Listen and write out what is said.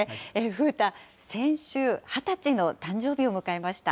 風太、先週、２０歳の誕生日を迎えました。